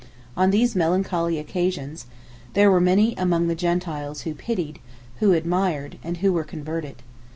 On these melancholy occasions, there were many among the Gentiles who pitied, who admired, and who were converted.